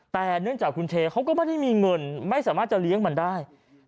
แต่เนื่องจากคุณเชเขาก็ไม่ได้มีเงินไม่สามารถจะเลี้ยงมันได้